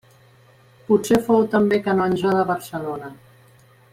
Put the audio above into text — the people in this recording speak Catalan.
Potser fou també canonge de Barcelona.